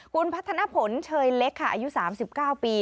คุณพัฒนผลเชยเล็กค่ะอายุ๓๙ปี